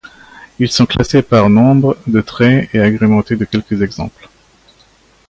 Ils sont classés par nombre de traits et agrémentés de quelques exemples.